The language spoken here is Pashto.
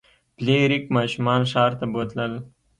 فلیریک ماشومان ښار ته بوتلل.